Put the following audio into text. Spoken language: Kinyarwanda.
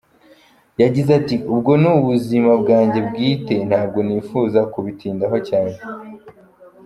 Yagize ati “Ubwo ni ubuzima bwanjye bwite, ntabwo nifuza kubitindaho cyane.